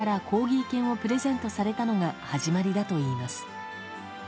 父親からコーギー犬をプレゼントされたのが始まりだといいます。